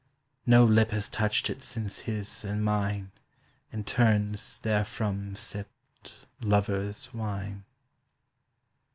No lip has touched it since his and mine In turns therefrom sipped lovers' wine."